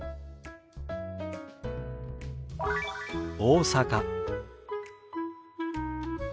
「大阪」。